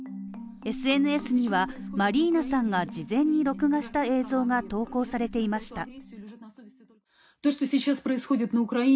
ＳＮＳには、マリーナさんが事前に録画した映像が投稿されていました。